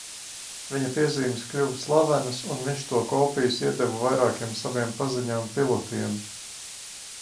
Viņa piezīmes kļuva slavenas, un viņš to kopijas iedeva vairākiem saviem paziņām pilotiem.